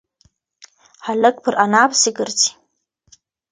هلک پر انا پسې گرځي.